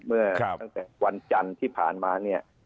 เมื่อตั้งแต่วันจันทร์ที่ผ่านมาเนี่ย